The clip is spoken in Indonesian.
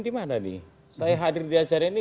dimana nih saya hadir di acara ini